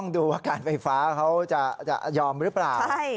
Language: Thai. ดูว่าการไฟฟ้าเขาจะยอมหรือเปล่า